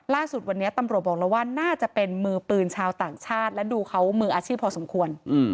ล่าสุดวันนี้ตำรวจบอกแล้วว่าน่าจะเป็นมือปืนชาวต่างชาติและดูเขามืออาชีพพอสมควร